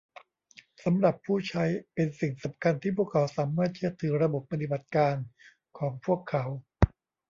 สำหรับผู้ใช้เป็นสิ่งสำคัญที่พวกเขาสามารถเชื่อถือระบบปฏิบัติการของพวกเขา